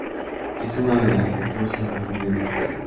Es una de las catorce regiones de Escocia.